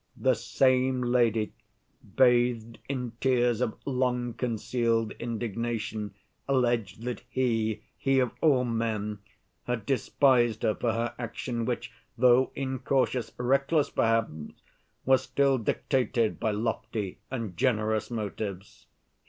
The same lady, bathed in tears of long‐concealed indignation, alleged that he, he of all men, had despised her for her action, which, though incautious, reckless perhaps, was still dictated by lofty and generous motives.